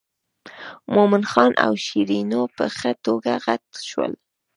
مومن خان او شیرینو په ښه توګه غټ شول.